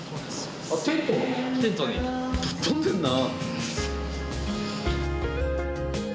ぶっとんでんな！